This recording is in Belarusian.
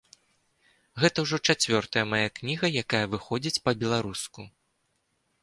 Гэта ўжо чацвёртая мая кніга, якая выходзіць па-беларуску.